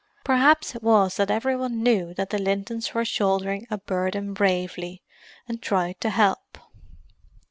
Perhaps it was that every one knew that the Lintons were shouldering a burden bravely, and tried to help.